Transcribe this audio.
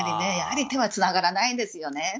やはり、手はつながないですよね。